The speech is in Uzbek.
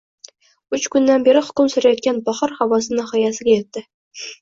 Uch kundan beri hukm surayotgan bahor havosi nihoyasiga etdi